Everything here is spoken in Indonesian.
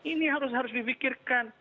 ini harus harus di pikirkan